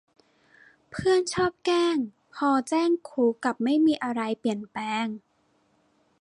เพื่อนชอบแกล้งพอแจ้งครู กลับไม่มีอะไรเปลี่ยนแปลง